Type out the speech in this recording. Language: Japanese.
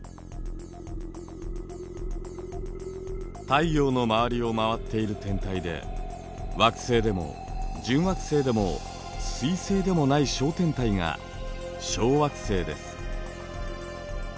太陽の周りを回っている天体で惑星でも準惑星でも彗星でもない小天体が小惑星です。